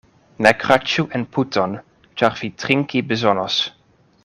Ne kraĉu en puton, ĉar vi trinki bezonos.